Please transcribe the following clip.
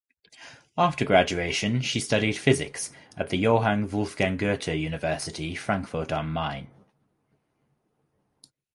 After graduation she studied physics at the Johann Wolfgang Goethe University Frankfurt am Main.